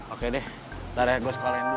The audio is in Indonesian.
oke deh ntar ya gue sekolahin dulu